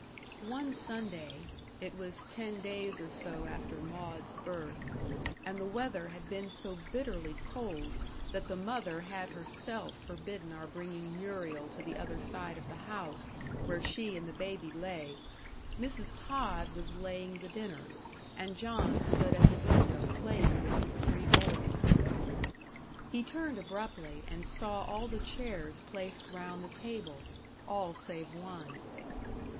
One Sunday it was ten days or so after Maud's birth, and the weather had been so bitterly cold that the mother had herself forbidden our bringing Muriel to the other side of the house where she and the baby lay Mrs. Tod was laying the dinner, and John stood at the window playing with his three boys. He turned abruptly, and saw all the chairs placed round the table all save one.